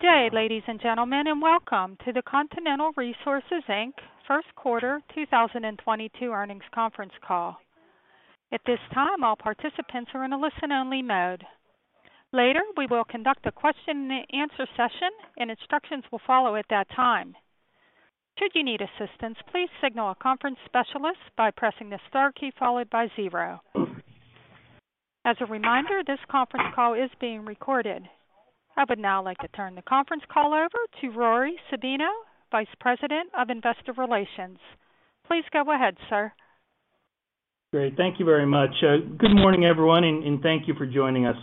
Good day, ladies and gentlemen, and welcome to the Continental Resources, Inc. first quarter 2022 earnings conference call. At this time, all participants are in a listen-only mode. Later, we will conduct a question and answer session and instructions will follow at that time. Should you need assistance, please signal a conference specialist by pressing the star key followed by zero. As a reminder, this conference call is being recorded. I would now like to turn the conference call over to Rory Sabino, Vice President of Investor Relations. Please go ahead, sir. Great. Thank you very much. Good morning, everyone, and thank you for joining us.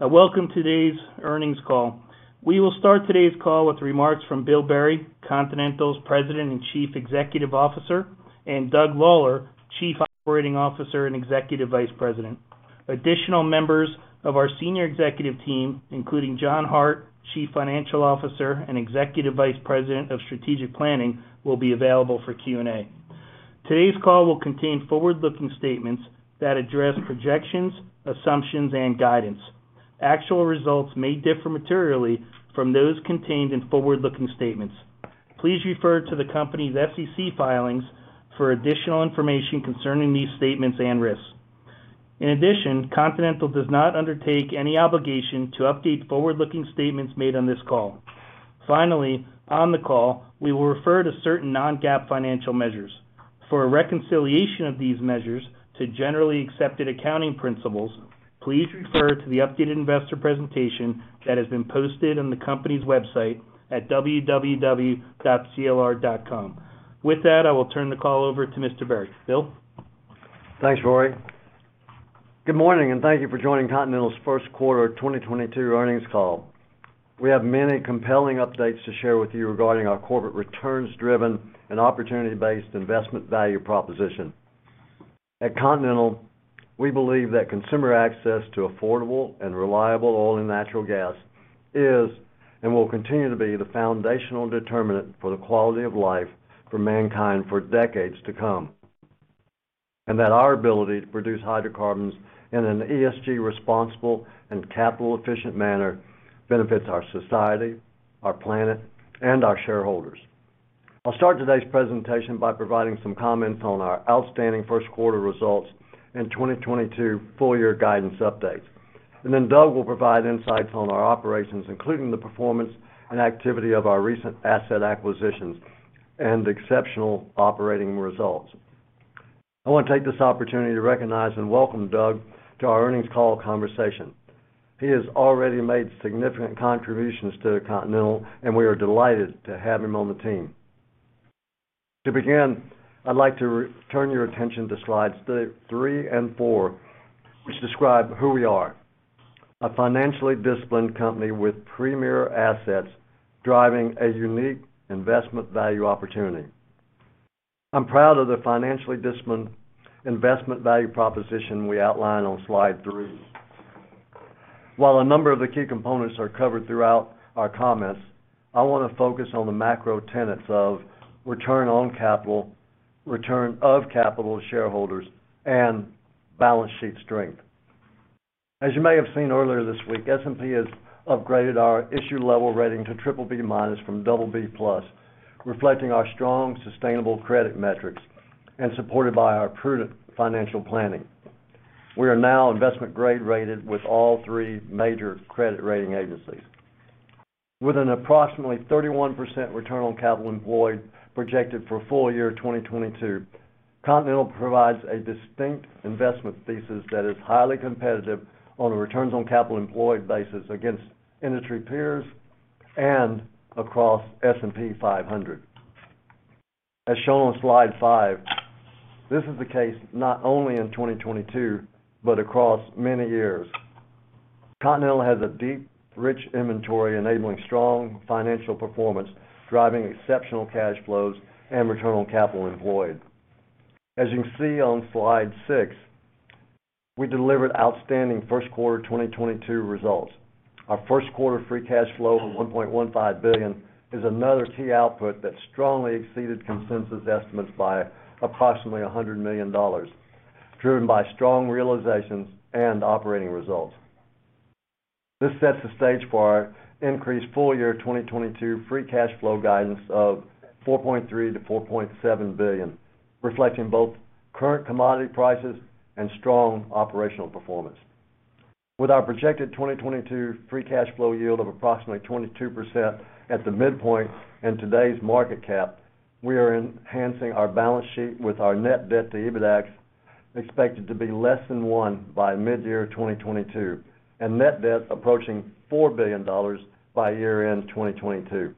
Welcome to today's earnings call. We will start today's call with remarks from Bill Berry, Continental's President and Chief Executive Officer, and Doug Lawler, Chief Operating Officer and Executive Vice President. Additional members of our senior executive team, including John Hart, Chief Financial Officer and Executive Vice President of Strategic Planning, will be available for Q&A. Today's call will contain forward-looking statements that address projections, assumptions, and guidance. Actual results may differ materially from those contained in forward-looking statements. Please refer to the company's SEC filings for additional information concerning these statements and risks. In addition, Continental does not undertake any obligation to update forward-looking statements made on this call. Finally, on the call, we will refer to certain non-GAAP financial measures. For a reconciliation of these measures to generally accepted accounting principles, please refer to the updated investor presentation that has been posted on the company's website at www.clr.com. With that, I will turn the call over to Mr. Berry. Bill? Thanks, Rory. Good morning, and thank you for joining Continental's first quarter of 2022 earnings call. We have many compelling updates to share with you regarding our corporate returns-driven and opportunity-based investment value proposition. At Continental, we believe that consumer access to affordable and reliable oil and natural gas is and will continue to be the foundational determinant for the quality of life for mankind for decades to come, and that our ability to produce hydrocarbons in an ESG-responsible and capital-efficient manner benefits our society, our planet, and our shareholders. I'll start today's presentation by providing some comments on our outstanding first quarter results and 2022 full-year guidance updates. Doug will provide insights on our operations, including the performance and activity of our recent asset acquisitions and exceptional operating results. I want to take this opportunity to recognize and welcome Doug to our earnings call conversation. He has already made significant contributions to Continental, and we are delighted to have him on the team. To begin, I'd like to return your attention to slides three and four, which describe who we are, a financially disciplined company with premier assets driving a unique investment value opportunity. I'm proud of the financially disciplined investment value proposition we outline on slide three. While a number of the key components are covered throughout our comments, I wanna focus on the macro tenets of return on capital, return of capital to shareholders, and balance sheet strength. As you may have seen earlier this week, S&P has upgraded our issue level rating to BBB- from BB+, reflecting our strong, sustainable credit metrics and supported by our prudent financial planning. We are now investment grade rated with all three major credit rating agencies. With an approximately 31% return on capital employed projected for full year 2022, Continental provides a distinct investment thesis that is highly competitive on a returns on capital employed basis against industry peers and across S&P 500. As shown on slide 5, this is the case not only in 2022, but across many years. Continental has a deep, rich inventory enabling strong financial performance, driving exceptional cash flows and return on capital employed. As you can see on slide 6, we delivered outstanding first quarter 2022 results. Our first quarter free cash flow of $1.15 billion is another key output that strongly exceeded consensus estimates by approximately $100 million, driven by strong realizations and operating results. This sets the stage for our increased full year 2022 free cash flow guidance of $4.3 billion-$4.7 billion, reflecting both current commodity prices and strong operational performance. With our projected 2022 free cash flow yield of approximately 22% at the midpoint in today's market cap, we are enhancing our balance sheet with our net debt to EBITDA expected to be less than one by midyear 2022, and net debt approaching $4 billion by year-end 2022.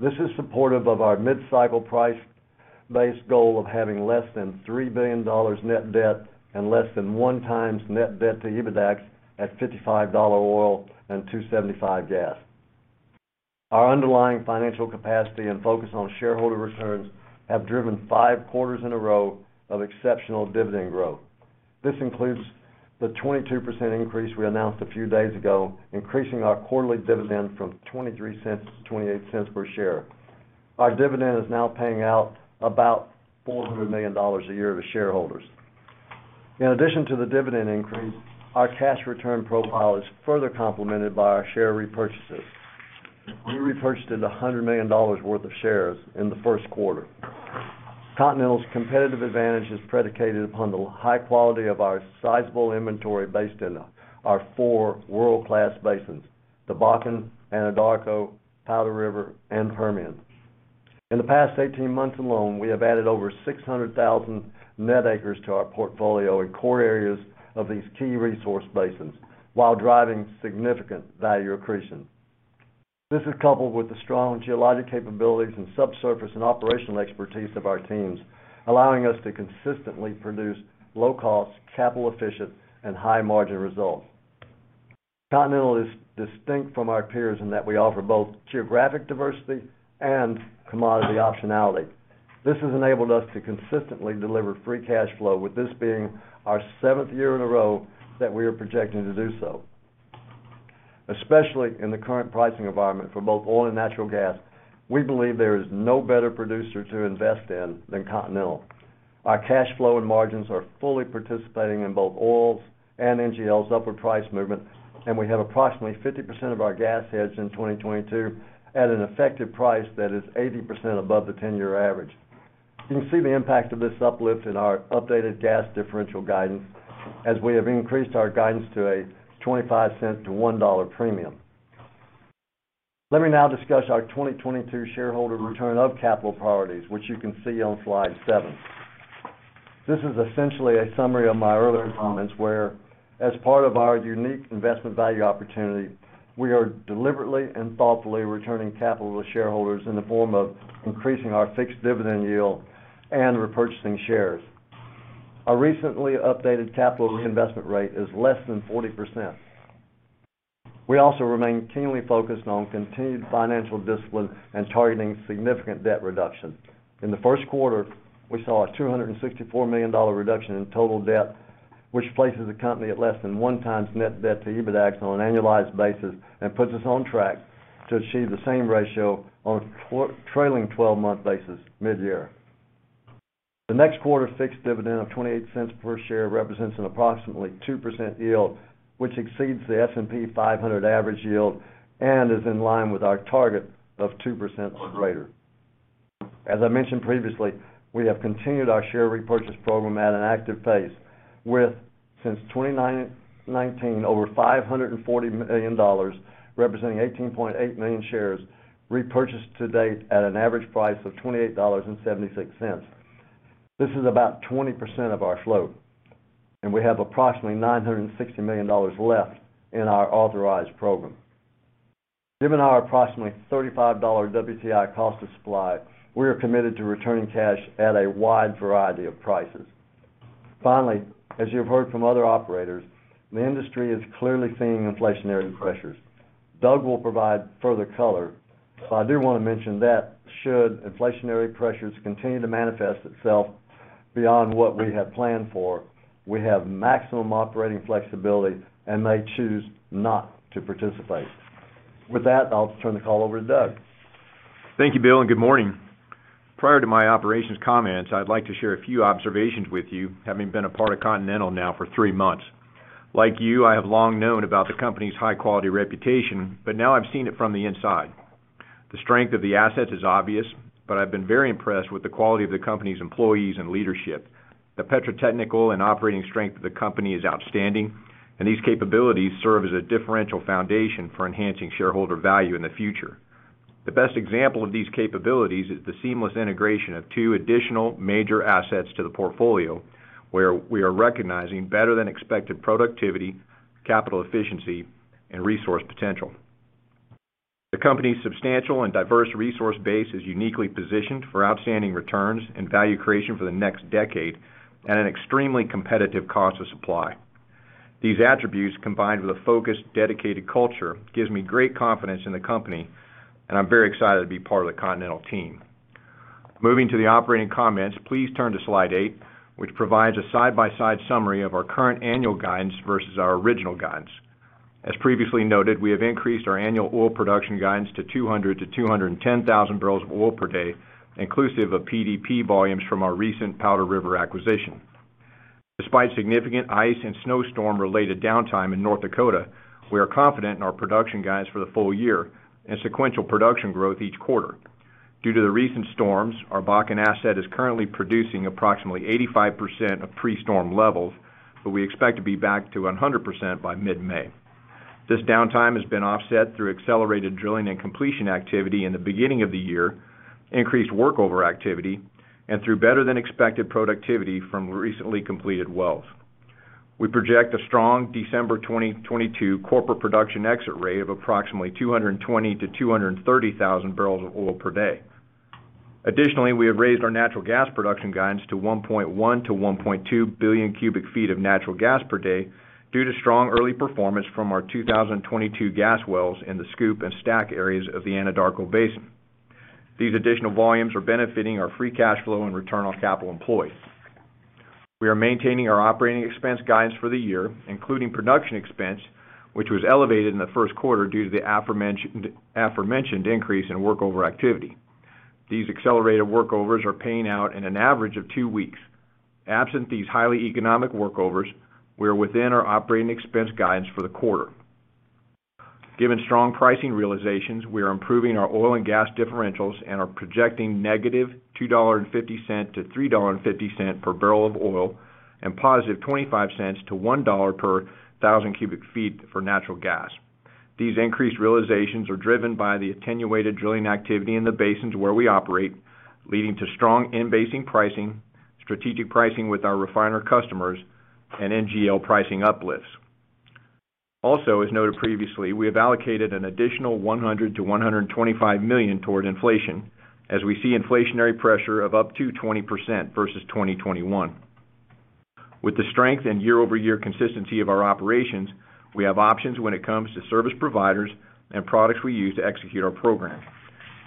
This is supportive of our mid-cycle price-based goal of having less than $3 billion net debt and less than 1x net debt to EBITDA at $55 oil and $2.75 gas. Our underlying financial capacity and focus on shareholder returns have driven five quarters in a row of exceptional dividend growth. This includes the 22% increase we announced a few days ago, increasing our quarterly dividend from $0.23 to $0.28 per share. Our dividend is now paying out about $400 million a year to shareholders. In addition to the dividend increase, our cash return profile is further complemented by our share repurchases. We repurchased $100 million worth of shares in the first quarter. Continental's competitive advantage is predicated upon the high quality of our sizable inventory based in our four world-class basins, the Bakken, Anadarko, Powder River, and Permian. In the past 18 months alone, we have added over 600,000 net acres to our portfolio in core areas of these key resource basins while driving significant value accretion. This is coupled with the strong geologic capabilities and subsurface and operational expertise of our teams, allowing us to consistently produce low cost, capital efficient, and high margin results. Continental is distinct from our peers in that we offer both geographic diversity and commodity optionality. This has enabled us to consistently deliver free cash flow, with this being our seventh year in a row that we are projecting to do so. Especially in the current pricing environment for both oil and natural gas, we believe there is no better producer to invest in than Continental. Our cash flow and margins are fully participating in both oil's and NGLs' upward price movement, and we have approximately 50% of our gas hedged in 2022 at an effective price that is 80% above the 10-year average. You can see the impact of this uplift in our updated gas differential guidance as we have increased our guidance to a $0.25-$1 premium. Let me now discuss our 2022 shareholder return of capital priorities, which you can see on slide 7. This is essentially a summary of my earlier comments, whereas part of our unique investment value opportunity, we are deliberately and thoughtfully returning capital to shareholders in the form of increasing our fixed dividend yield and repurchasing shares. Our recently updated capital investment rate is less than 40%. We also remain keenly focused on continued financial discipline and targeting significant debt reduction. In the first quarter, we saw a $264 million reduction in total debt, which places the company at less than 1x net debt to EBITDA on an annualized basis and puts us on track to achieve the same ratio on a trailing twelve-month basis mid-year. The next quarter's fixed dividend of 28 cents per share represents an approximately 2% yield, which exceeds the S&P 500 average yield and is in line with our target of 2% or greater. As I mentioned previously, we have continued our share repurchase program at an active pace with since 2019, over $540 million, representing 18.8 million shares repurchased to date at an average price of $28.76. This is about 20% of our float, and we have approximately $960 million left in our authorized program. Given our approximately $35 WTI cost of supply, we are committed to returning cash at a wide variety of prices. Finally, as you have heard from other operators, the industry is clearly seeing inflationary pressures. Doug will provide further color, but I do want to mention that should inflationary pressures continue to manifest itself beyond what we have planned for, we have maximum operating flexibility and may choose not to participate. With that, I'll turn the call over to Doug. Thank you, Bill, and good morning. Prior to my operations comments, I'd like to share a few observations with you, having been a part of Continental now for three months. Like you, I have long known about the company's high-quality reputation, but now I've seen it from the inside. The strength of the assets is obvious, but I've been very impressed with the quality of the company's employees and leadership. The petrotechnical and operating strength of the company is outstanding, and these capabilities serve as a differential foundation for enhancing shareholder value in the future. The best example of these capabilities is the seamless integration of two additional major assets to the portfolio, where we are recognizing better than expected productivity, capital efficiency, and resource potential. The company's substantial and diverse resource base is uniquely positioned for outstanding returns and value creation for the next decade at an extremely competitive cost of supply. These attributes, combined with a focused, dedicated culture, gives me great confidence in the company, and I'm very excited to be part of the Continental team. Moving to the operating comments, please turn to slide 8, which provides a side-by-side summary of our current annual guidance versus our original guidance. As previously noted, we have increased our annual oil production guidance to 200,000-210,000 barrels of oil per day, inclusive of PDP volumes from our recent Powder River acquisition. Despite significant ice and snowstorm-related downtime in North Dakota, we are confident in our production guidance for the full year and sequential production growth each quarter. Due to the recent storms, our Bakken asset is currently producing approximately 85% of pre-storm levels, but we expect to be back to 100% by mid-May. This downtime has been offset through accelerated drilling and completion activity in the beginning of the year, increased workover activity, and through better than expected productivity from recently completed wells. We project a strong December 2022 corporate production exit rate of approximately 220,000-230,000 barrels of oil per day. Additionally, we have raised our natural gas production guidance to 1.1-1.2 billion cubic feet of natural gas per day due to strong early performance from our 2022 gas wells in the Scoop and Stack areas of the Anadarko Basin. These additional volumes are benefiting our free cash flow and return on capital employed. We are maintaining our operating expense guidance for the year, including production expense, which was elevated in the first quarter due to the aforementioned increase in workover activity. These accelerated workovers are paying out in an average of two weeks. Absent these highly economic workovers, we are within our operating expense guidance for the quarter. Given strong pricing realizations, we are improving our oil and gas differentials and are projecting -$2.50 to $3.50 per barrel of oil and $0.25-$1 per thousand cubic feet for natural gas. These increased realizations are driven by the attenuated drilling activity in the basins where we operate, leading to strong in-basin pricing, strategic pricing with our refiner customers, and NGL pricing uplifts. As noted previously, we have allocated an additional $100 million-$125 million towards inflation as we see inflationary pressure of up to 20% versus 2021. With the strength and year-over-year consistency of our operations, we have options when it comes to service providers and products we use to execute our program.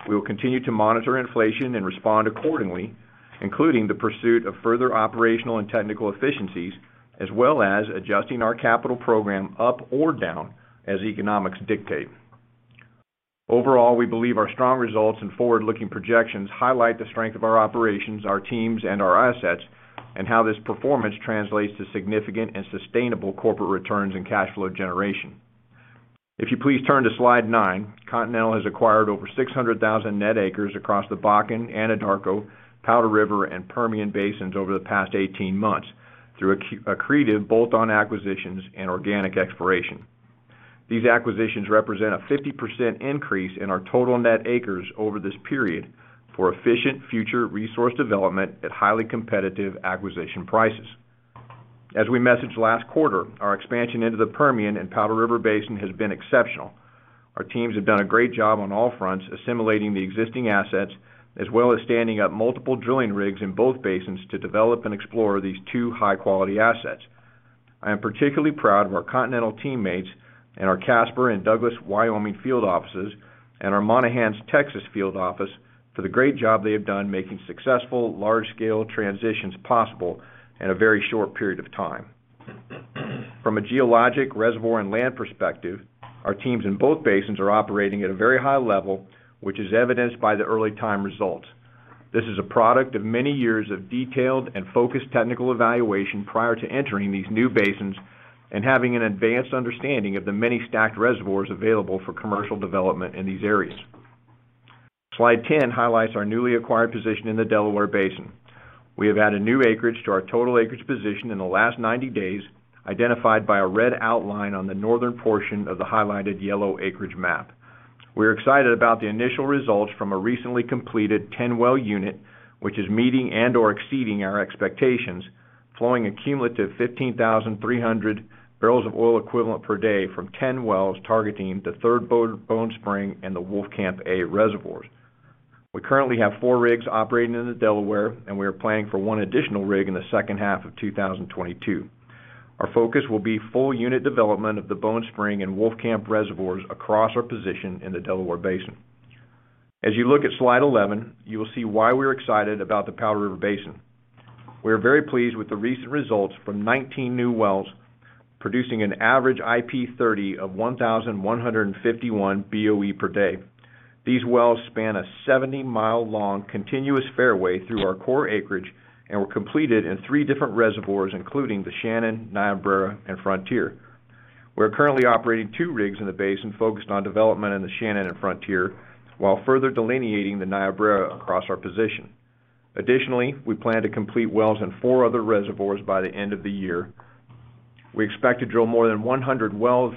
We will continue to monitor inflation and respond accordingly, including the pursuit of further operational and technical efficiencies, as well as adjusting our capital program up or down as economics dictate. Overall, we believe our strong results and forward-looking projections highlight the strength of our operations, our teams, and our assets, and how this performance translates to significant and sustainable corporate returns and cash flow generation. If you please turn to slide 9, Continental has acquired over 600,000 net acres across the Bakken, Anadarko, Powder River, and Permian Basins over the past 18 months through accretive bolt-on acquisitions and organic exploration. These acquisitions represent a 50% increase in our total net acres over this period for efficient future resource development at highly competitive acquisition prices. As we messaged last quarter, our expansion into the Permian and Powder River Basin has been exceptional. Our teams have done a great job on all fronts, assimilating the existing assets, as well as standing up multiple drilling rigs in both basins to develop and explore these two high-quality assets. I am particularly proud of our Continental teammates in our Casper and Douglas, Wyoming field offices and our Monahans, Texas field office for the great job they have done making successful large-scale transitions possible in a very short period of time. From a geologic reservoir and land perspective, our teams in both basins are operating at a very high level, which is evidenced by the early time results. This is a product of many years of detailed and focused technical evaluation prior to entering these new basins and having an advanced understanding of the many stacked reservoirs available for commercial development in these areas. Slide 10 highlights our newly acquired position in the Delaware Basin. We have added new acreage to our total acreage position in the last 90 days, identified by a red outline on the northern portion of the highlighted yellow acreage map. We're excited about the initial results from a recently completed 10-well unit, which is meeting and/or exceeding our expectations, flowing a cumulative 15,300 barrels of oil equivalent per day from 10 wells targeting the Third Bone Spring and the Wolfcamp A reservoirs. We currently have four rigs operating in the Delaware, and we are planning for one additional rig in the second half of 2022. Our focus will be full unit development of the Bone Spring and Wolfcamp reservoirs across our position in the Delaware Basin. As you look at slide 11, you will see why we're excited about the Powder River Basin. We are very pleased with the recent results from 19 new wells producing an average IP30 of 1,151 BOE per day. These wells span a 70-mile-long continuous fairway through our core acreage and were completed in three different reservoirs, including the Shannon, Niobrara, and Frontier. We are currently operating two rigs in the basin focused on development in the Shannon and Frontier, while further delineating the Niobrara across our position. Additionally, we plan to complete wells in four other reservoirs by the end of the year. We expect to drill more than 100 wells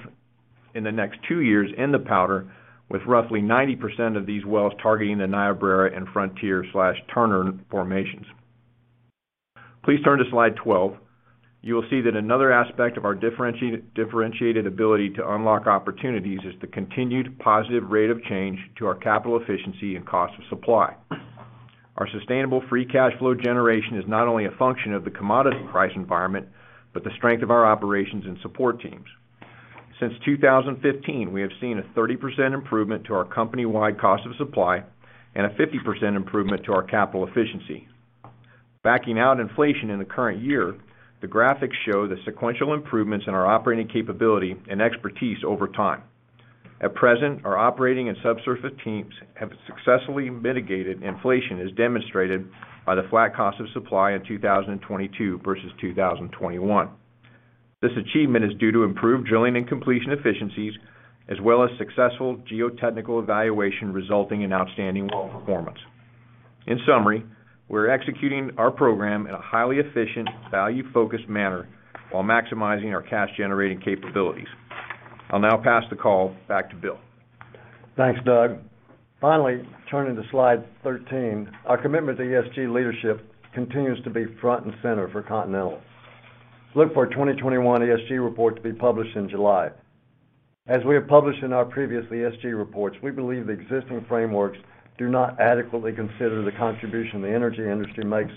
in the next two years in the Powder, with roughly 90% of these wells targeting the Niobrara and Frontier/Turner Formations. Please turn to slide 12. You will see that another aspect of our differentiated ability to unlock opportunities is the continued positive rate of change to our capital efficiency and cost of supply. Our sustainable free cash flow generation is not only a function of the commodity price environment but the strength of our operations and support teams. Since 2015, we have seen a 30% improvement to our company-wide cost of supply and a 50% improvement to our capital efficiency. Backing out inflation in the current year, the graphics show the sequential improvements in our operating capability and expertise over time. At present, our operating and subsurface teams have successfully mitigated inflation as demonstrated by the flat cost of supply in 2022 versus 2021. This achievement is due to improved drilling and completion efficiencies as well as successful geotechnical evaluation resulting in outstanding well performance. In summary, we're executing our program in a highly efficient, value-focused manner while maximizing our cash-generating capabilities. I'll now pass the call back to Bill. Thanks, Doug. Finally, turning to slide 13, our commitment to ESG leadership continues to be front and center for Continental. Look for our 2021 ESG report to be published in July. As we have published in our previous ESG reports, we believe the existing frameworks do not adequately consider the contribution the energy industry makes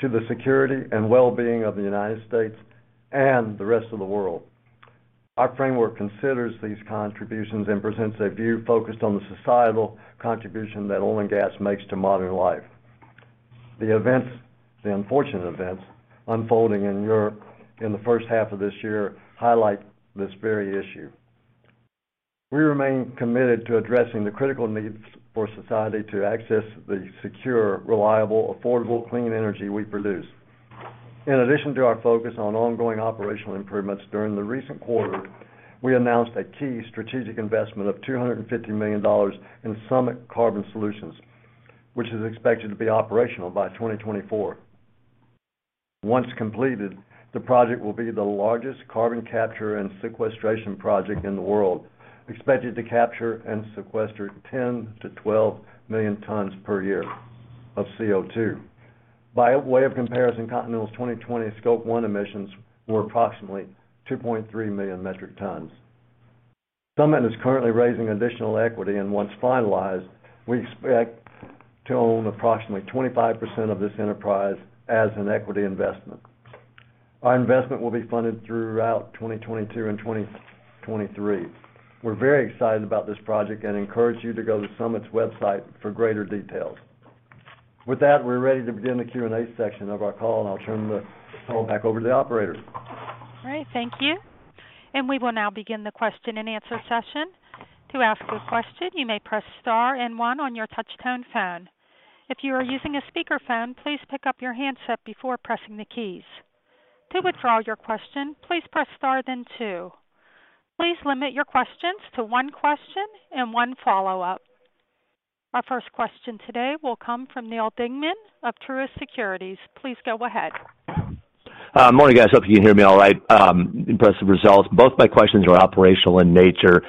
to the security and well-being of the United States and the rest of the world. Our framework considers these contributions and presents a view focused on the societal contribution that oil and gas makes to modern life. The events, the unfortunate events unfolding in Europe in the first half of this year highlight this very issue. We remain committed to addressing the critical needs for society to access the secure, reliable, affordable, clean energy we produce. In addition to our focus on ongoing operational improvements during the recent quarter, we announced a key strategic investment of $250 million in Summit Carbon Solutions, which is expected to be operational by 2024. Once completed, the project will be the largest carbon capture and sequestration project in the world, expected to capture and sequester 10-12 million tonnes per year of CO2. By way of comparison, Continental's 2020 Scope 1 emissions were approximately 2.3 million metric tonnes. Summit is currently raising additional equity, and once finalized, we expect to own approximately 25% of this enterprise as an equity investment. Our investment will be funded throughout 2022 and 2023. We're very excited about this project and encourage you to go to Summit's website for greater details. With that, we're ready to begin the Q&A section of our call, and I'll turn the call back over to the operator. All right, thank you. We will now begin the question-and-answer session. To ask a question, you may press star and one on your touchtone phone. If you are using a speakerphone, please pick up your handset before pressing the keys. To withdraw your question, please press star then two. Please limit your questions to one question and one follow-up. Our first question today will come from Neal Dingmann of Truist Securities. Please go ahead. Morning, guys. Hope you can hear me all right. Impressive results. Both my questions are operational in nature.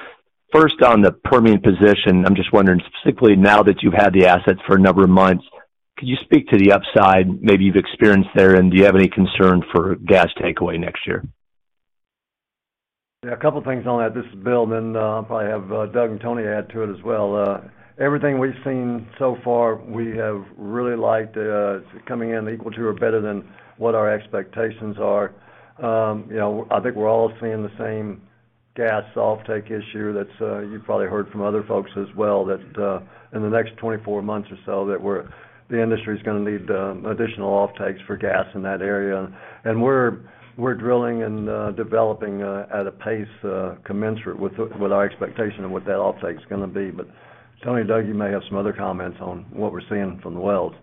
First, on the Permian position, I'm just wondering specifically now that you've had the assets for a number of months, could you speak to the upside maybe you've experienced there? Do you have any concern for gas takeaway next year? Yeah, a couple of things on that. This is Bill, then, I'll probably have Doug and Tony add to it as well. Everything we've seen so far, we have really liked, coming in equal to or better than what our expectations are. You know, I think we're all seeing the same gas offtake issue that you probably heard from other folks as well, that in the next 24 months or so, that the industry is gonna need additional offtakes for gas in that area. We're drilling and developing at a pace commensurate with our expectation of what that offtake is gonna be. Tony and Doug, you may have some other comments on what we're seeing from the wells.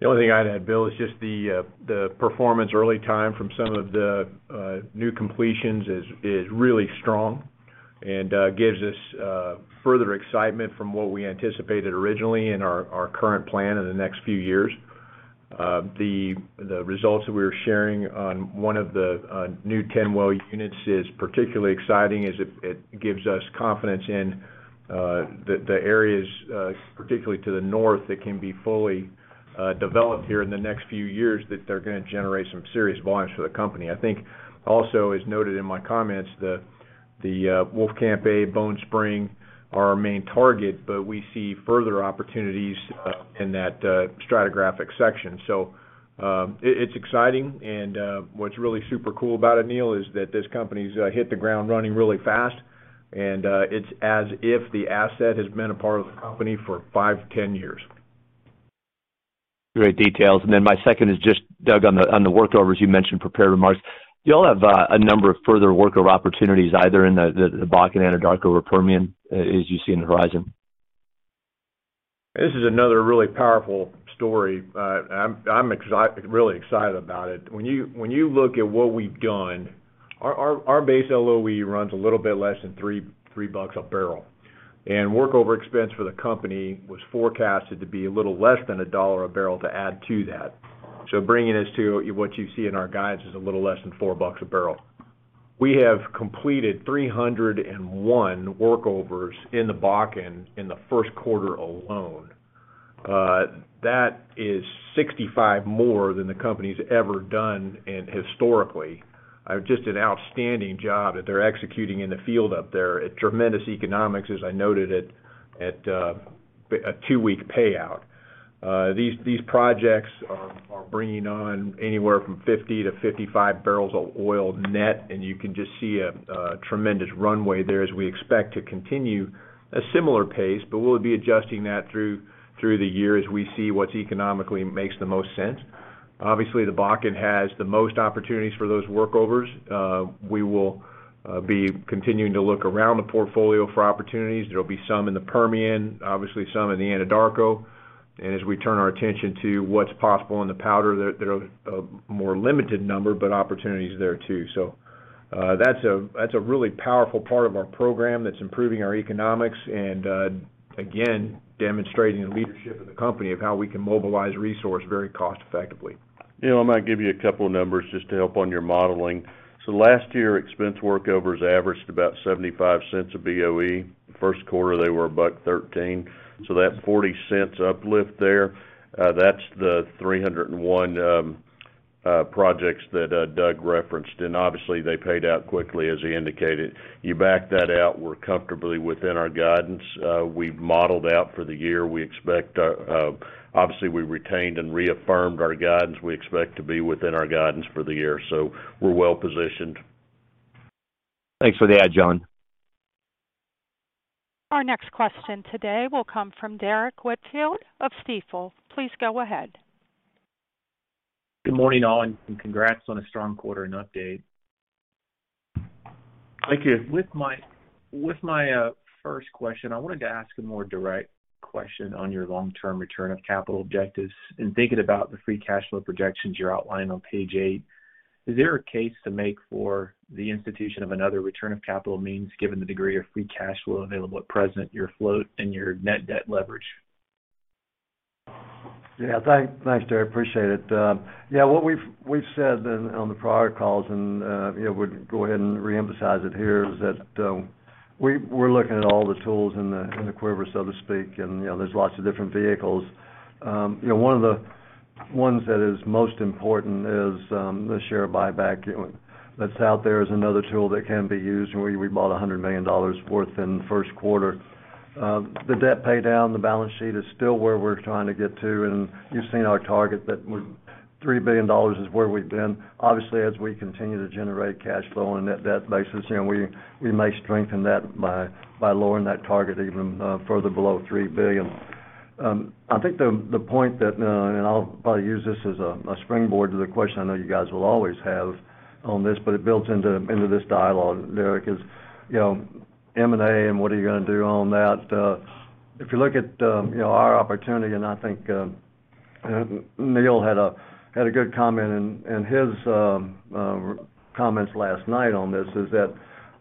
The only thing I'd add, Bill, is just the early-time performance from some of the new completions is really strong and gives us further excitement from what we anticipated originally in our current plan in the next few years. The results that we were sharing on one of the new 10-well units is particularly exciting as it gives us confidence in the areas particularly to the north that can be fully developed here in the next few years, that they're gonna generate some serious volumes for the company. I think also, as noted in my comments, the Wolfcamp A, Bone Spring are our main target, but we see further opportunities in that stratigraphic section. It's exciting and what's really super cool about it, Neal, is that this company's hit the ground running really fast, and it's as if the asset has been a part of the company for five-10 years. Great details. My second is just, Doug, on the workovers you mentioned, prepared remarks. You all have a number of further workover opportunities either in the Bakken and Anadarko or Permian, as you see on the horizon. This is another really powerful story. I'm really excited about it. When you look at what we've done, our base LOE runs a little bit less than $3 per barrel. Workover expense for the company was forecasted to be a little less than $1 per barrel to add to that. Bringing us to what you see in our guidance is a little less than $4 per barrel. We have completed 301 workovers in the Bakken in the first quarter alone. That is 65 more than the company's ever done, and historically, just an outstanding job that they're executing in the field up there at tremendous economics, as I noted, at a two-week payout. These projects are bringing on anywhere from 50-55 barrels of oil net, and you can just see a tremendous runway there as we expect to continue a similar pace. We'll be adjusting that through the year as we see what economically makes the most sense. Obviously, the Bakken has the most opportunities for those workovers. We will be continuing to look around the portfolio for opportunities. There'll be some in the Permian, obviously some in the Anadarko. As we turn our attention to what's possible in the Powder, there are a more limited number, but opportunities there too. That's a really powerful part of our program that's improving our economics and again demonstrating the leadership of the company of how we can mobilize resource very cost effectively. Neal, I might give you a couple of numbers just to help on your modeling. Last year, expense workovers averaged about $0.75 a BOE. First quarter, they were $1.13 per BOE.That $0.40 uplift there, that's the 301 projects that Doug referenced. Obviously, they paid out quickly, as he indicated. You back that out, we're comfortably within our guidance. We've modeled out for the year, we expect, obviously, we retained and reaffirmed our guidance. We expect to be within our guidance for the year, so we're well positioned. Thanks for the add, John. Our next question today will come from Derrick Whitfield of Stifel. Please go ahead. Good morning, all, and congrats on a strong quarter and update. Thank you. With my first question, I wanted to ask a more direct question on your long-term return of capital objectives. In thinking about the free cash flow projections you're outlining on page 8, is there a case to make for the institution of another return of capital means, given the degree of free cash flow available at present, your float and your net debt leverage? Yeah. Thanks, Derrick. Appreciate it. Yeah, what we've said then on the prior calls and, you know, we'd go ahead and reemphasize it here is that, we're looking at all the tools in the quiver, so to speak, and, you know, there's lots of different vehicles. You know, one of the ones that is most important is the share buyback that's out there as another tool that can be used, and we bought $100 million worth in the first quarter. The debt pay down, the balance sheet is still where we're trying to get to, and you've seen our target that we're $3 billion is where we've been. Obviously, as we continue to generate cash flow on a net debt basis, you know, we may strengthen that by lowering that target even further below $3 billion. I think the point that and I'll probably use this as a springboard to the question I know you guys will always have on this, but it builds into this dialogue, Derrick, is you know, M&A and what are you gonna do on that. If you look at you know, our opportunity, and I think Neal had a good comment in his comments last night on this, is that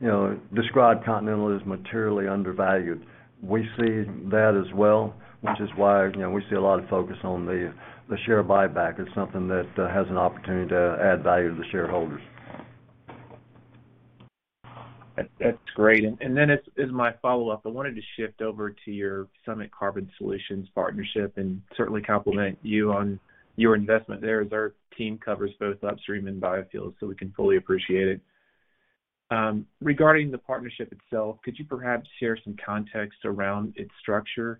you know described Continental as materially undervalued. We see that as well, which is why, you know, we see a lot of focus on the share buyback as something that has an opportunity to add value to the shareholders. That's great. As my follow-up, I wanted to shift over to your Summit Carbon Solutions partnership and certainly compliment you on your investment there, as our team covers both upstream and biofuels, so we can fully appreciate it. Regarding the partnership itself, could you perhaps share some context around its structure?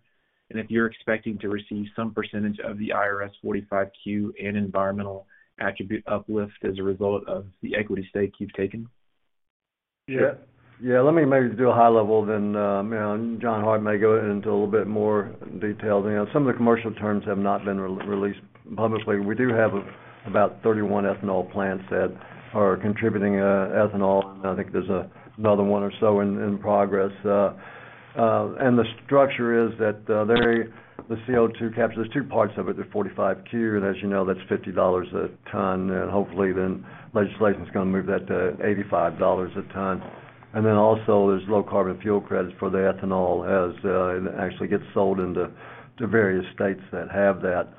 If you're expecting to receive some percentage of the IRS 45Q and environmental attribute uplift as a result of the equity stake you've taken? Yeah. Let me maybe do a high level then, and John Hart may go into a little bit more detail. You know, some of the commercial terms have not been released publicly. We do have about 31 ethanol plants that are contributing ethanol, and I think there's another one or so in progress. The structure is that the CO2 capture, there's two parts of it, the 45Q, and as you know, that's $50 per ton. Hopefully, legislation's gonna move that to $85 per ton. Then also there's low carbon fuel credits for the ethanol as it actually gets sold into various states that have that.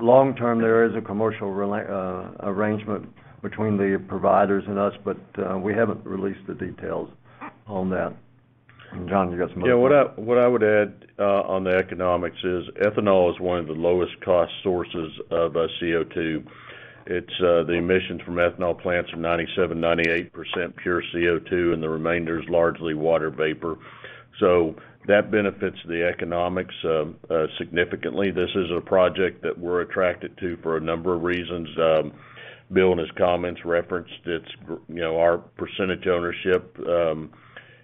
Long term, there is a commercial arrangement between the providers and us, but we haven't released the details on that. John, you got some more. Yeah. What I would add on the economics is ethanol is one of the lowest cost sources of CO2. The emissions from ethanol plants are 97%-98% pure CO2, and the remainder is largely water vapor. That benefits the economics significantly. This is a project that we're attracted to for a number of reasons. Bill, in his comments, referenced you know, our percentage ownership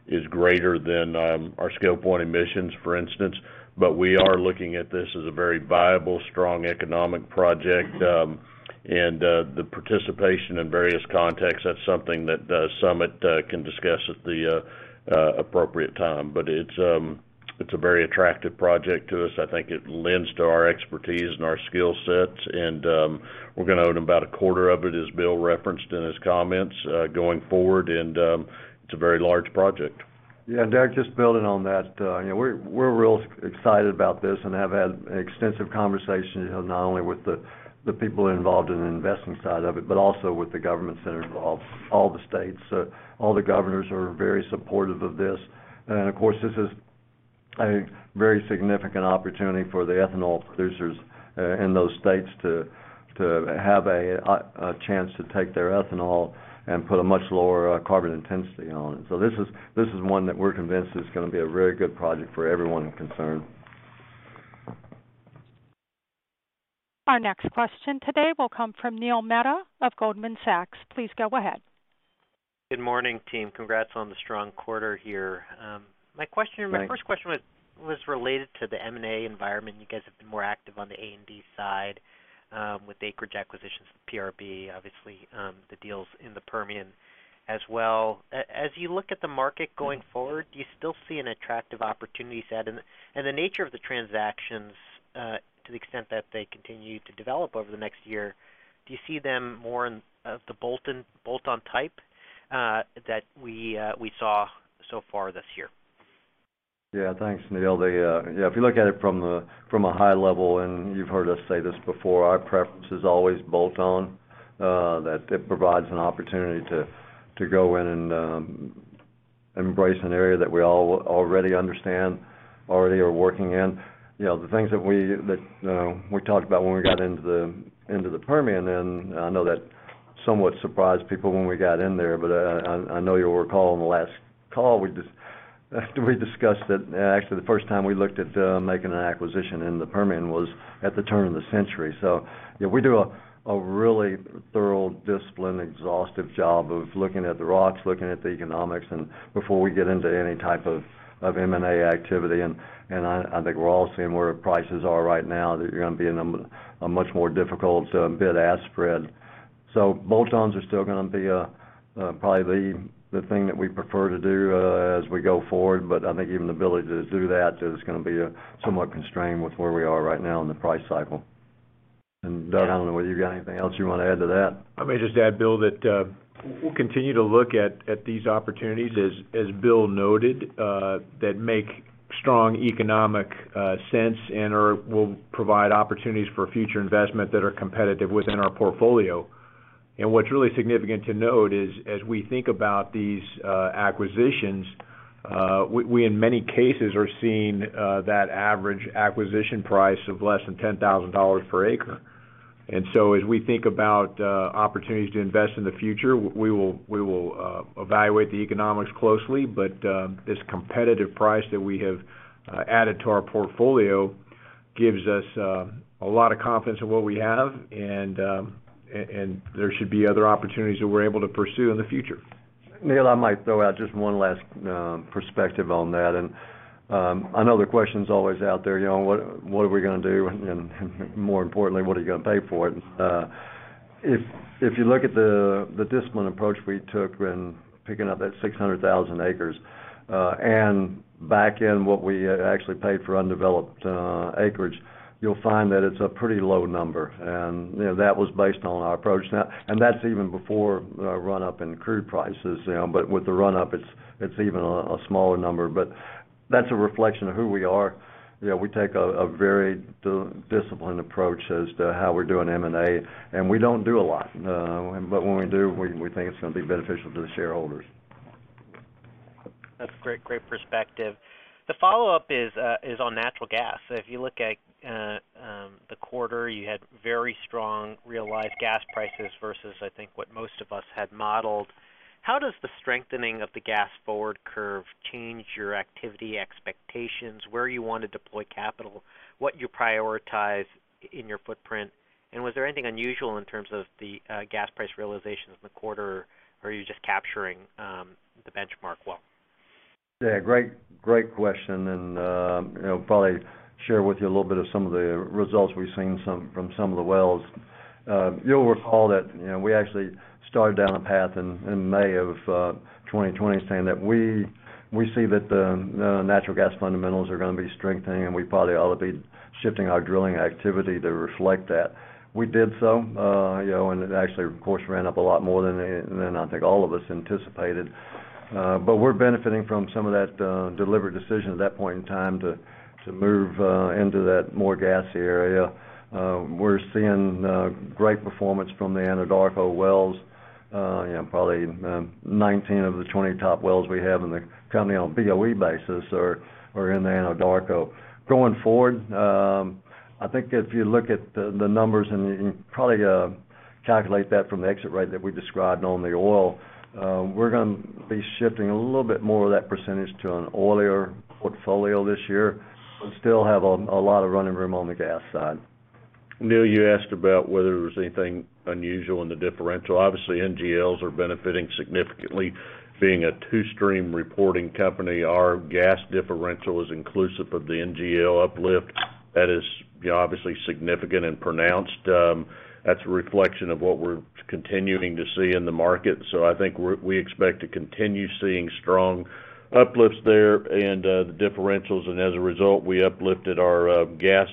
is greater than our Scope 1 emissions, for instance. We are looking at this as a very viable, strong economic project. The participation in various contexts, that's something that Summit can discuss at the appropriate time. It's a very attractive project to us. I think it lends to our expertise and our skill sets, and we're gonna own about a quarter of it, as Bill referenced in his comments, going forward, and it's a very large project. Yeah. Derrick, just building on that, you know, we're real excited about this and have had extensive conversations not only with the people involved in the investment side of it, but also with the governments that are involved, all the states. All the governors are very supportive of this. Of course, this is a very significant opportunity for the ethanol producers in those states to have a chance to take their ethanol and put a much lower carbon intensity on it. This is one that we're convinced is gonna be a very good project for everyone concerned. Our next question today will come from Neil Mehta of Goldman Sachs. Please go ahead. Good morning, team. Congrats on the strong quarter here. My question. Thanks. My first question was related to the M&A environment. You guys have been more active on the A&D side with acreage acquisitions from PRB, obviously, the deals in the Permian as well. As you look at the market going forward, do you still see an attractive opportunity set? The nature of the transactions, to the extent that they continue to develop over the next year, do you see them more in the bolt-on type that we saw so far this year? Yeah. Thanks, Neil. If you look at it from a high level, and you've heard us say this before, our preference is always bolt on that it provides an opportunity to go in and embrace an area that we already understand, are working in. You know, the things that we talked about when we got into the Permian, and I know that somewhat surprised people when we got in there, but I know you'll recall on the last call, we just after we discussed that, actually the first time we looked at making an acquisition in the Permian was at the turn of the century. Yeah, we do a really thorough, disciplined, exhaustive job of looking at the rocks, looking at the economics and before we get into any type of M&A activity. I think we're all seeing where prices are right now that you're gonna be in a much more difficult bid-ask spread. Bolt-ons are still gonna be probably the thing that we prefer to do as we go forward. I think even the ability to do that is gonna be somewhat constrained with where we are right now in the price cycle. Doug, I don't know whether you got anything else you wanna add to that. I may just add, Bill, that we'll continue to look at these opportunities, as Bill noted, that make strong economic sense and/or will provide opportunities for future investment that are competitive within our portfolio. What's really significant to note is, as we think about these acquisitions, we in many cases are seeing that average acquisition price of less than $10,000 per acre. As we think about opportunities to invest in the future, we will evaluate the economics closely. This competitive price that we have added to our portfolio gives us a lot of confidence in what we have, and there should be other opportunities that we're able to pursue in the future. Neil Mehta, I might throw out just one last perspective on that. I know the question's always out there, you know, what are we gonna do? More importantly, what are you gonna pay for it? If you look at the disciplined approach we took when picking up that 600,000 acres, and back in what we actually paid for undeveloped acreage, you'll find that it's a pretty low number. You know, that was based on our approach now, and that's even before run up in crude prices, you know, but with the run up, it's even a smaller number. That's a reflection of who we are. You know, we take a very disciplined approach as to how we're doing M&A, and we don't do a lot. When we do, we think it's gonna be beneficial to the shareholders. That's great perspective. The follow-up is on natural gas. If you look at the quarter, you had very strong realized gas prices versus, I think, what most of us had modeled. How does the strengthening of the gas forward curve change your activity expectations, where you want to deploy capital, what you prioritize in your footprint? And was there anything unusual in terms of the gas price realizations in the quarter, or are you just capturing the benchmark well? Yeah. Great question, you know, probably share with you a little bit of some of the results we've seen from some of the wells. You'll recall that, you know, we actually started down a path in May of 2020 saying that we see that natural gas fundamentals are gonna be strengthening, and we probably ought to be shifting our drilling activity to reflect that. We did so, you know, and it actually, of course, ran up a lot more than I think all of us anticipated. We're benefiting from some of that deliberate decision at that point in time to move into that more gassy area. We're seeing great performance from the Anadarko wells. You know, probably 19 of the 20 top wells we have in the company on BOE basis are in the Anadarko. Going forward, I think if you look at the numbers and probably calculate that from the exit rate that we described on the oil, we're gonna be shifting a little bit more of that percentage to an oilier portfolio this year. We still have a lot of running room on the gas side. Neil, you asked about whether there was anything unusual in the differential. Obviously, NGLs are benefiting significantly. Being a two-stream reporting company, our gas differential is inclusive of the NGL uplift. That is, you know, obviously significant and pronounced. That's a reflection of what we're continuing to see in the market. I think we expect to continue seeing strong uplifts there and the differentials. As a result, we uplifted our gas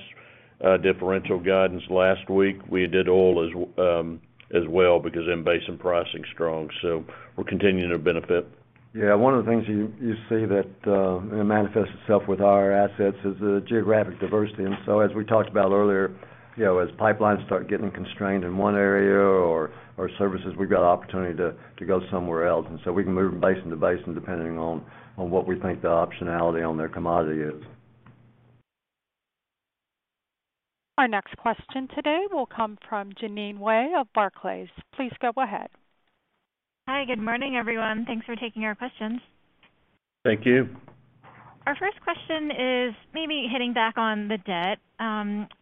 differential guidance last week. We did oil as well because in-basin pricing is strong. We're continuing to benefit. Yeah. One of the things you see that you know manifests itself with our assets is the geographic diversity. As we talked about earlier, you know, as pipelines start getting constrained in one area or services, we've got opportunity to go somewhere else. We can move from basin to basin depending on what we think the optionality on their commodity is. Our next question today will come from Jeanine Wai of Barclays. Please go ahead. Hi. Good morning, everyone. Thanks for taking our questions. Thank you. Our first question is maybe hitting back on the debt.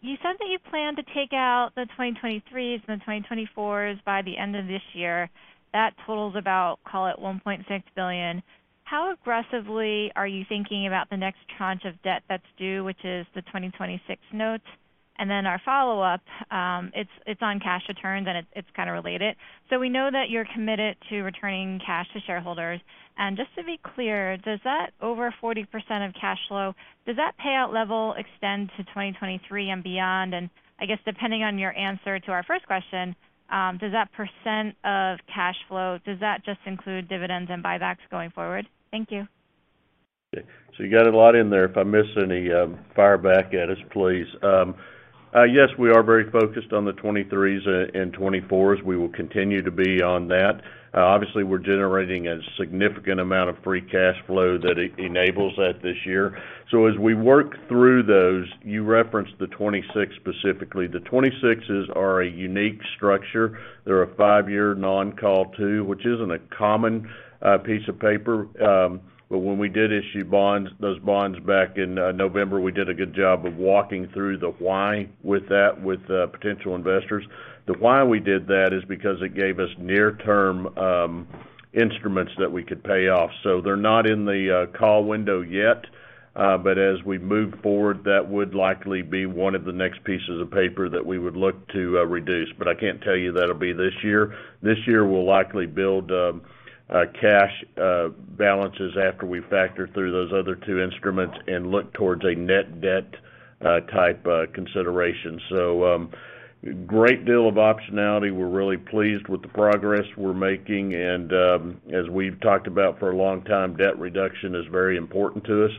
You said that you plan to take out the 2023s and the 2024s by the end of this year. That totals about $1.6 billion. How aggressively are you thinking about the next tranche of debt that's due, which is the 2026 notes? Our follow-up is on cash returns, and it's kind of related. We know that you're committed to returning cash to shareholders. Just to be clear, does that over 40% of cash flow payout level extend to 2023 and beyond? I guess depending on your answer to our first question, does that % of cash flow just include dividends and buybacks going forward? Thank you. You got a lot in there. If I miss any, fire back at us, please. Yes, we are very focused on the 2023s and 2024s. We will continue to be on that. Obviously, we're generating a significant amount of free cash flow that enables that this year. As we work through those, you referenced the 2026 specifically. The 2026s are a unique structure. They're a five-year non-call two, which isn't a common piece of paper. But when we did issue bonds, those bonds back in November, we did a good job of walking through the why with that with potential investors. The why we did that is because it gave us near-term instruments that we could pay off. They're not in the call window yet, but as we move forward, that would likely be one of the next pieces of paper that we would look to reduce. I can't tell you that'll be this year. This year, we'll likely build cash balances after we factor through those other two instruments and look towards a net debt type consideration. Great deal of optionality. We're really pleased with the progress we're making, and as we've talked about for a long time, debt reduction is very important to us.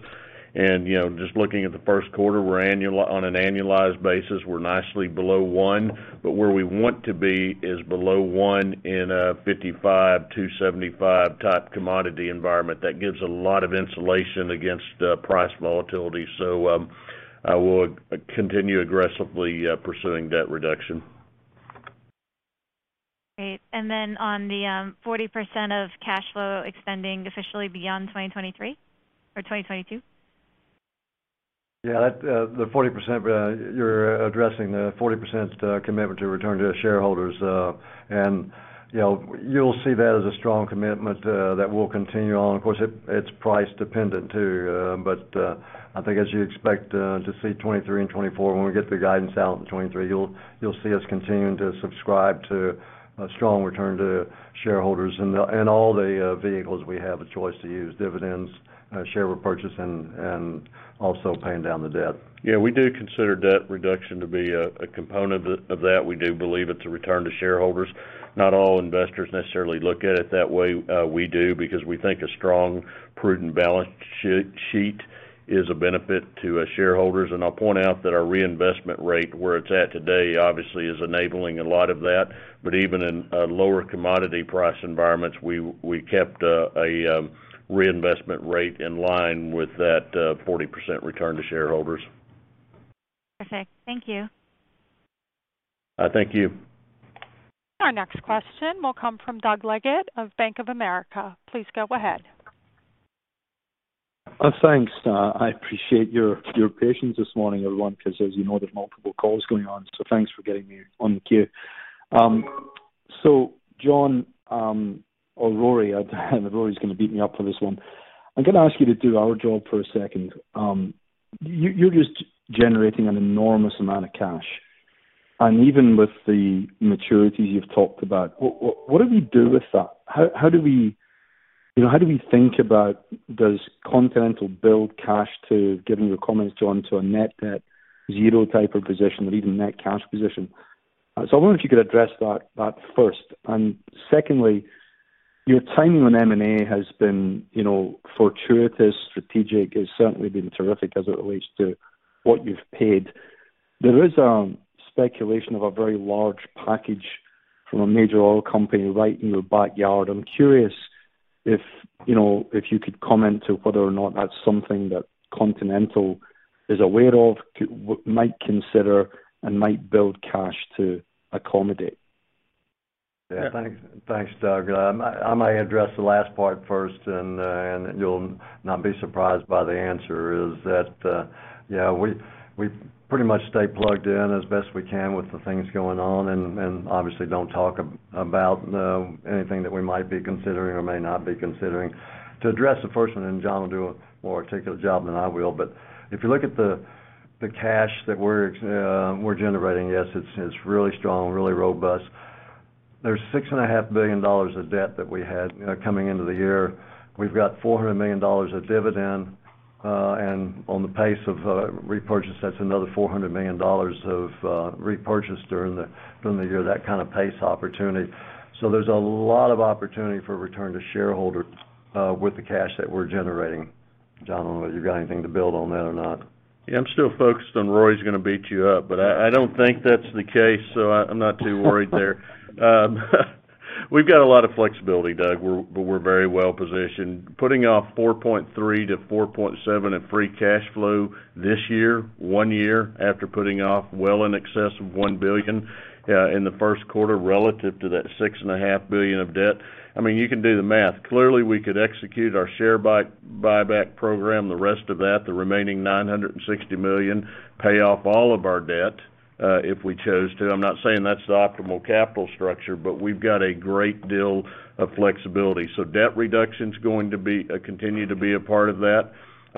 You know, just looking at the first quarter, on an annualized basis, we're nicely below one, but where we want to be is below one in a $55-$75 type commodity environment. That gives a lot of insulation against price volatility. I will continue aggressively pursuing debt reduction. Great. On the 40% of cash flow extending officially beyond 2023 or 2022? Yeah, the 40% you're addressing, the 40% commitment to return to shareholders. You'll see that as a strong commitment that we'll continue on. Of course, it's price dependent too. I think as you expect to see 2023 and 2024, when we get the guidance out in 2023, you'll see us continuing to subscribe to a strong return to shareholders in all the vehicles we have a choice to use, dividends, share repurchase and also paying down the debt. Yeah, we do consider debt reduction to be a component of that. We do believe it's a return to shareholders. Not all investors necessarily look at it that way. We do because we think a strong, prudent balance sheet is a benefit to our shareholders. I'll point out that our reinvestment rate, where it's at today, obviously is enabling a lot of that. Even in lower commodity price environments, we kept a reinvestment rate in line with that 40% return to shareholders. Perfect. Thank you. Thank you. Our next question will come from Doug Leggate of Bank of America. Please go ahead. Thanks. I appreciate your patience this morning, everyone, 'cause as you know, there's multiple calls going on, so thanks for getting me on the queue. So John, or Rory's gonna beat me up for this one. I'm gonna ask you to do our job for a second. You're just generating an enormous amount of cash. Even with the maturities you've talked about, what do we do with that? How do we, you know, how do we think about, does Continental build cash to, given your comments, John, to a net debt zero type of position or even net cash position? So I wonder if you could address that first. Secondly, your timing on M&A has been, you know, fortuitous, strategic. It's certainly been terrific as it relates to what you've paid. There is speculation of a very large package from a major oil company right in your backyard. I'm curious if, you know, if you could comment to whether or not that's something that Continental is aware of, might consider and might build cash to accommodate. Yeah. Thanks, Doug. I might address the last part first, and you'll not be surprised by the answer, is that, yeah, we pretty much stay plugged in as best we can with the things going on and obviously don't talk about anything that we might be considering or may not be considering. To address the first one, and John will do a more particular job than I will, but if you look at the cash that we're generating, yes, it's really strong, really robust. There's $6.5 billion of debt that we had coming into the year. We've got $400 million of dividend, and on the pace of repurchase, that's another $400 million of repurchase during the year, that kind of pace opportunity. There's a lot of opportunity for return to shareholders with the cash that we're generating. John, I don't know whether you've got anything to build on that or not. Yeah, I'm still focused on Rory's gonna beat you up, but I don't think that's the case, so I'm not too worried there. We've got a lot of flexibility, Doug. We're very well-positioned. Projecting $4.3 billion-$4.7 billion in free cash flow this year, one year after projecting well in excess of $1 billion in the first quarter relative to that $6.5 billion of debt, I mean, you can do the math. Clearly, we could execute our share buyback program, the rest of that, the remaining $960 million, pay off all of our debt, if we chose to. I'm not saying that's the optimal capital structure, but we've got a great deal of flexibility. Debt reduction's going to be continue to be a part of that.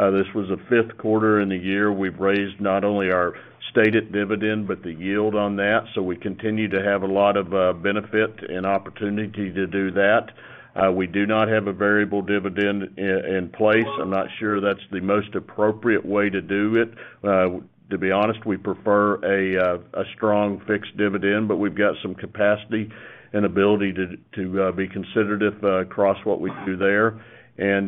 This was the fifth quarter in the year we've raised not only our stated dividend but the yield on that, so we continue to have a lot of benefit and opportunity to do that. We do not have a variable dividend in place. I'm not sure that's the most appropriate way to do it. To be honest, we prefer a strong fixed dividend, but we've got some capacity and ability to be considered if across what we do there. You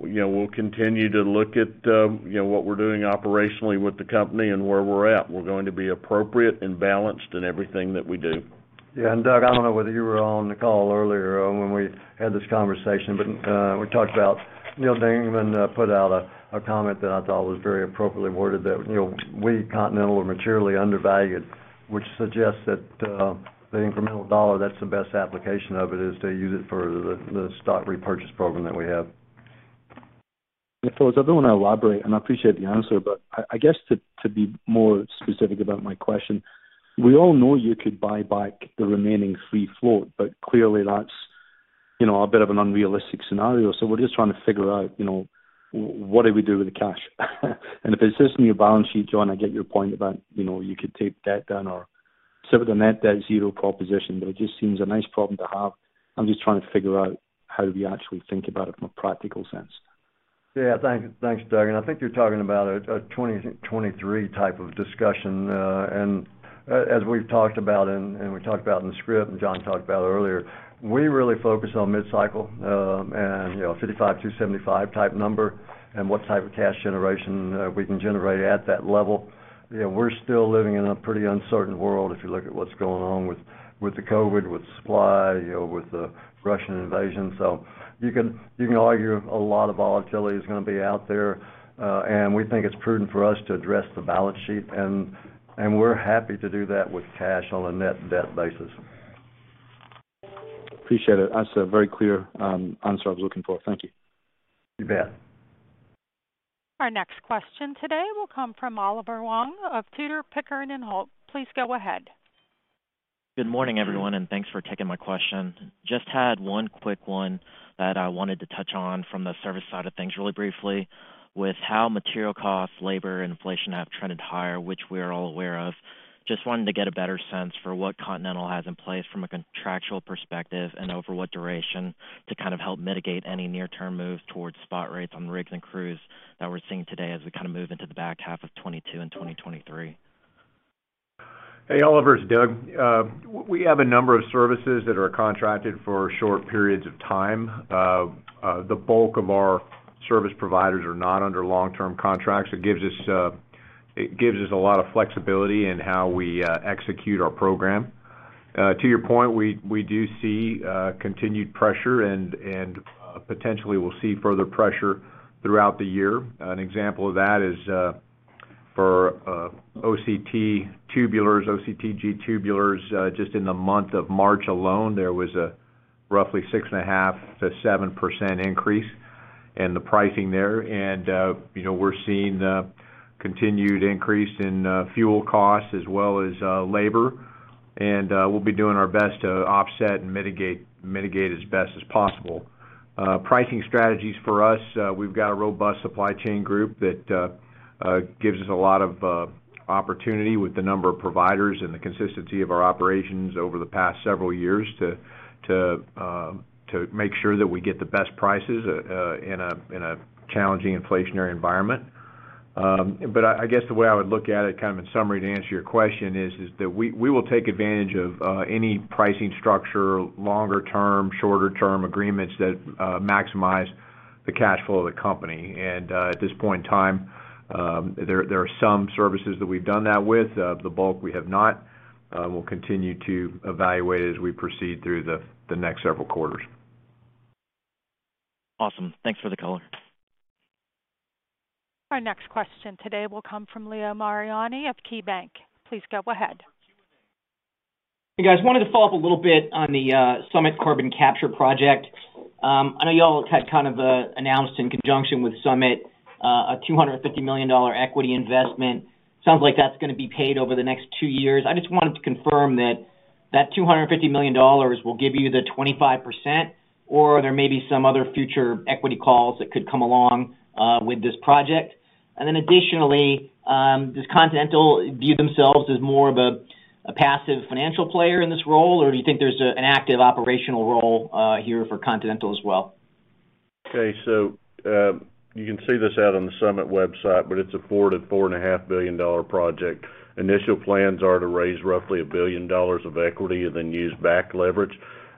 know, we'll continue to look at you know, what we're doing operationally with the company and where we're at. We're going to be appropriate and balanced in everything that we do. Yeah, Doug, I don't know whether you were on the call earlier or when we had this conversation, but we talked about Neal Dingmann put out a comment that I thought was very appropriately worded that, you know, we, Continental, are materially undervalued, which suggests that the incremental dollar, that's the best application of it, is to use it for the stock repurchase program that we have. Yeah. Phillips, I don't wanna elaborate, and I appreciate the answer, but I guess to be more specific about my question, we all know you could buy back the remaining free float, but clearly that's, you know, a bit of an unrealistic scenario. We're just trying to figure out, you know, what do we do with the cash? If it's just in your balance sheet, John, I get your point about, you know, you could take debt down or sit with a net debt zero proposition, but it just seems a nice problem to have. I'm just trying to figure out how do we actually think about it from a practical sense. Yeah. Thanks, Doug. I think you're talking about a 2023 type of discussion. As we've talked about and we talked about in the script, and John talked about earlier, we really focus on mid-cycle, you know, $55-$75 type number and what type of cash generation we can generate at that level. You know, we're still living in a pretty uncertain world if you look at what's going on with the COVID, with supply, you know, with the Russian invasion. You can argue a lot of volatility is gonna be out there, and we think it's prudent for us to address the balance sheet and we're happy to do that with cash on a net debt basis. Appreciate it. That's a very clear answer I was looking for. Thank you. You bet. Our next question today will come from Oliver Huang of Tudor, Pickering & Holt. Please go ahead. Good morning, everyone, and thanks for taking my question. Just had one quick one that I wanted to touch on from the service side of things really briefly with how material costs, labor, and inflation have trended higher, which we're all aware of. Just wanted to get a better sense for what Continental has in place from a contractual perspective and over what duration to kind of help mitigate any near-term moves towards spot rates on rigs and crews that we're seeing today as we kind of move into the back half of 2022 and 2023. Hey, Oliver, it's Doug. We have a number of services that are contracted for short periods of time. The bulk of our service providers are not under long-term contracts. It gives us a lot of flexibility in how we execute our program. To your point, we do see continued pressure and potentially we'll see further pressure throughout the year. An example of that is for OCTG tubulars, just in the month of March alone, there was a roughly 6.5%-7% increase in the pricing there. You know, we're seeing continued increase in fuel costs as well as labor. We'll be doing our best to offset and mitigate as best as possible. Pricing strategies for us, we've got a robust supply chain group that gives us a lot of opportunity with the number of providers and the consistency of our operations over the past several years to make sure that we get the best prices in a challenging inflationary environment. I guess the way I would look at it, kind of in summary to answer your question is that we will take advantage of any pricing structure, longer term, shorter term agreements that maximize the cash flow of the company. At this point in time, there are some services that we've done that with, the bulk we have not, we'll continue to evaluate as we proceed through the next several quarters. Awesome. Thanks for the color. Our next question today will come from Leo Mariani of KeyBank. Please go ahead. For Q&A. Hey, guys. Wanted to follow up a little bit on the Summit Carbon Solutions. I know y'all had kind of announced in conjunction with Summit Carbon Solutions a $250 million equity investment. Sounds like that's gonna be paid over the next two years. I just wanted to confirm that that $250 million will give you the 25%, or there may be some other future equity calls that could come along with this project. Additionally, does Continental view themselves as more of a passive financial player in this role, or do you think there's an active operational role here for Continental as well? Okay. You can see this out on the Summit website, but it's a $4.5 billion project. Initial plans are to raise roughly $1 billion of equity and then use back leverage.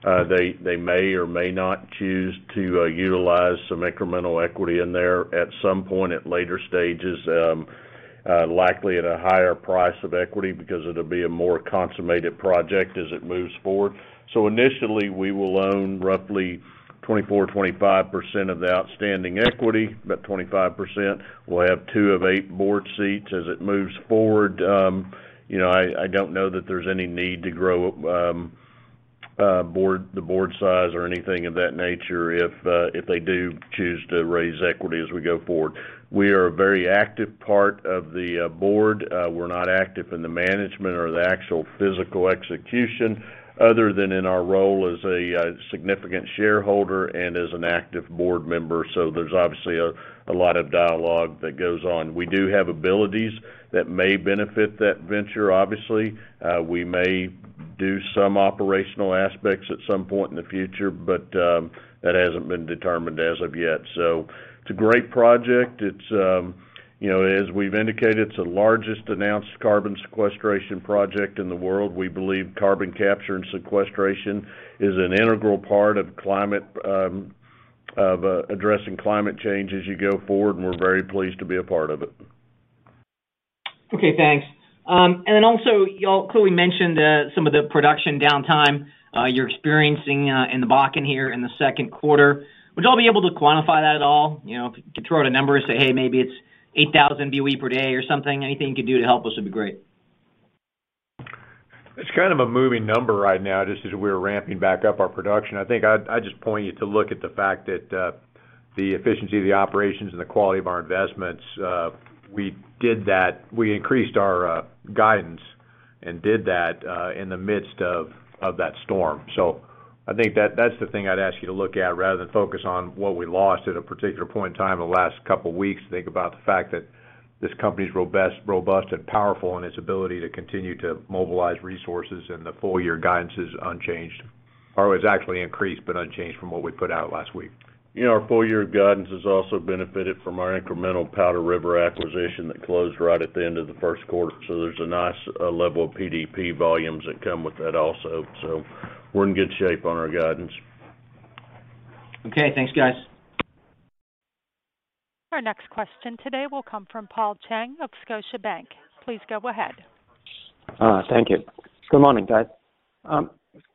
They may or may not choose to utilize some incremental equity in there at some point at later stages, likely at a higher price of equity because it'll be a more consummated project as it moves forward. Initially, we will own roughly 24%-25% of the outstanding equity, about 25%. We'll have two of eight board seats as it moves forward. You know, I don't know that there's any need to grow the board size or anything of that nature if they do choose to raise equity as we go forward. We are a very active part of the board. We're not active in the management or the actual physical execution other than in our role as a significant shareholder and as an active board member. There's obviously a lot of dialogue that goes on. We do have abilities that may benefit that venture, obviously. We may do some operational aspects at some point in the future, but that hasn't been determined as of yet. It's a great project. It's, you know, as we've indicated, it's the largest announced carbon sequestration project in the world. We believe carbon capture and sequestration is an integral part of climate, of addressing climate change as you go forward, and we're very pleased to be a part of it. Okay, thanks. Y'all clearly mentioned some of the production downtime you're experiencing in the Bakken here in the second quarter. Would y'all be able to quantify that at all? You know, could throw out a number and say, "Hey, maybe it's 8,000 BOE per day," or something. Anything you could do to help us would be great. It's kind of a moving number right now, just as we're ramping back up our production. I think I'd just point you to look at the fact that the efficiency of the operations and the quality of our investments, we did that. We increased our guidance and did that in the midst of that storm. I think that's the thing I'd ask you to look at, rather than focus on what we lost at a particular point in time in the last couple weeks. Think about the fact that this company is robust and powerful in its ability to continue to mobilize resources and the full year guidance is unchanged. It's actually increased, but unchanged from what we put out last week. You know, our full year guidance has also benefited from our incremental Powder River acquisition that closed right at the end of the first quarter. There's a nice level of PDP volumes that come with that also. We're in good shape on our guidance. Okay, thanks, guys. Our next question today will come from Paul Cheng of Scotiabank. Please go ahead. Thank you. Good morning, guys.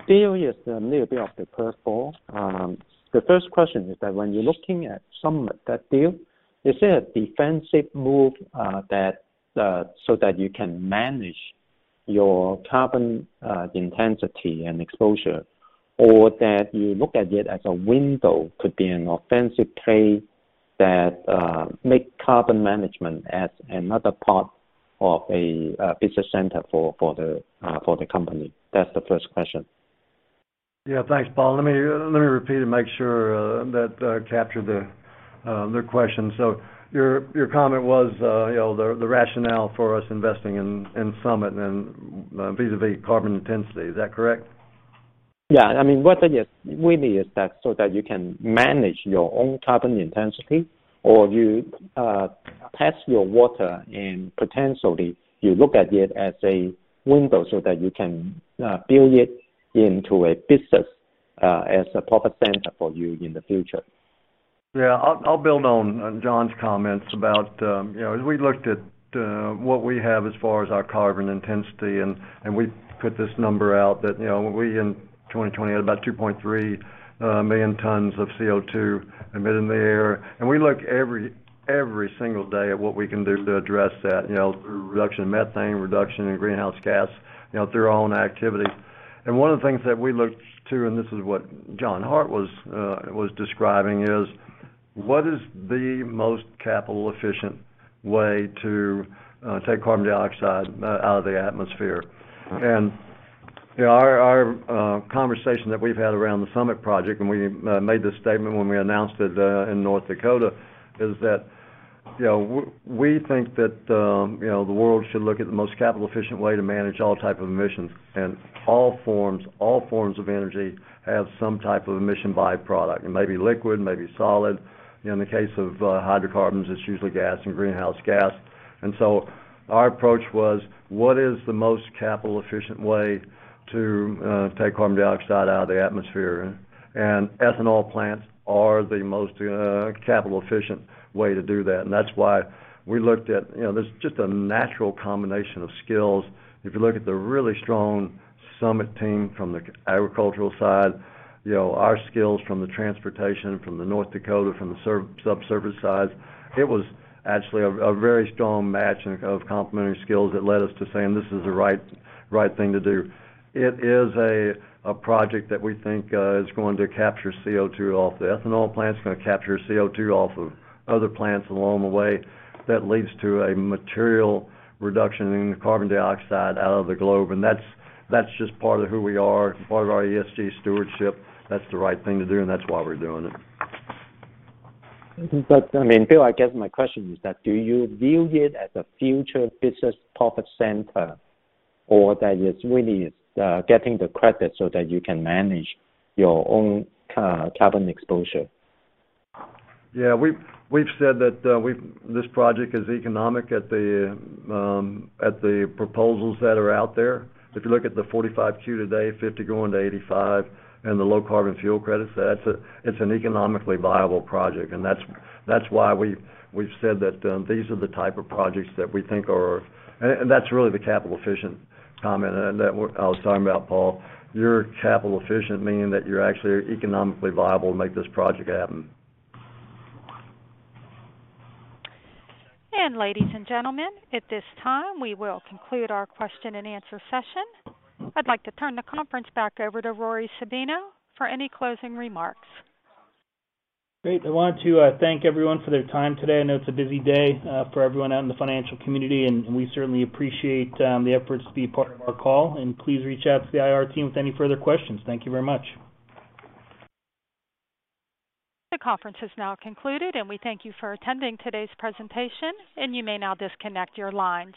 Bill, here's a little bit of the first poll. The first question is that when you're looking at some of that deal, is it a defensive move, so that you can manage your carbon intensity and exposure? Or that you look at it as a window to be an offensive play that make carbon management as another part of a business center for the company? That's the first question. Yeah. Thanks, Paul. Let me repeat and make sure that I captured the question. Your comment was, you know, the rationale for us investing in Summit and vis-a-vis carbon intensity. Is that correct? Yeah. I mean, whether it really is that so that you can manage your own carbon intensity or you pass your water and potentially you look at it as a window so that you can build it into a business as a profit center for you in the future. Yeah. I'll build on John's comments about, you know, as we looked at what we have as far as our carbon intensity, and we put this number out that, you know, we in 2020 had about 2.3 million tons of CO2 emitted in the air. We look every single day at what we can do to address that. You know, through reduction in methane, reduction in greenhouse gas, you know, through our own activity. One of the things that we looked to, and this is what John Hart was describing, is what is the most capital-efficient way to take carbon dioxide out of the atmosphere. You know, our conversation that we've had around the Summit project, and we made this statement when we announced it in North Dakota, is that, you know, we think that, you know, the world should look at the most capital-efficient way to manage all type of emissions. All forms of energy have some type of emission by-product. It may be liquid, it may be solid. In the case of hydrocarbons, it's usually gas and greenhouse gas. Our approach was, what is the most capital-efficient way to take carbon dioxide out of the atmosphere? Ethanol plants are the most capital-efficient way to do that. That's why we looked at, you know, there's just a natural combination of skills. If you look at the really strong Summit team from the agricultural side, you know, our skills from the transportation, from the North Dakota, from the subsurface side, it was actually a very strong matching of complementary skills that led us to saying, "This is the right thing to do." It is a project that we think is going to capture CO2 off the ethanol plants. It's gonna capture CO2 off of other plants along the way. That leads to a material reduction in carbon dioxide out of the globe. That's just part of who we are, it's part of our ESG stewardship. That's the right thing to do, and that's why we're doing it. I mean, Bill, I guess my question is that do you view it as a future business profit center or that it really is getting the credit so that you can manage your own carbon exposure? Yeah. We've said that this project is economic at the proposals that are out there. If you look at the 45Q today, $50-$85 and the low carbon fuel credits, that's an economically viable project. That's why we've said that these are the type of projects that we think are and that's really the capital-efficient comment that I was talking about, Paul. You're capital efficient, meaning that you're actually economically viable to make this project happen. Ladies and gentlemen, at this time, we will conclude our question and answer session. I'd like to turn the conference back over to Rory Sabino for any closing remarks. Great. I want to thank everyone for their time today. I know it's a busy day for everyone out in the financial community, and we certainly appreciate the efforts to be part of our call. Please reach out to the IR team with any further questions. Thank you very much. The conference has now concluded, and we thank you for attending today's presentation, and you may now disconnect your lines.